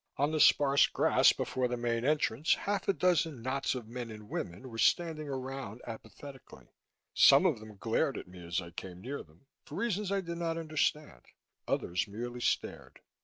On the sparse grass before the main entrance, half a dozen knots of men and women were standing around apathetically. Some of them glared at me as I came near them, for reasons I did not understand; others merely stared.